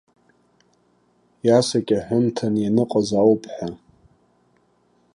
Иасакьаҳәымҭан ианыҟаз ауп ҳәа.